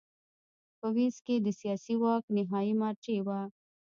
په وینز کې د سیاسي واک نهايي مرجع وه